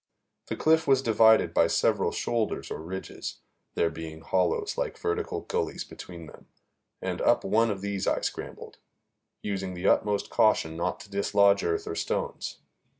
The cliff was divided by several shoulders or ridges, there being hollows like vertical gullies between them, and up one of these I scrambled, using the utmost caution not to dislodge earth or stones.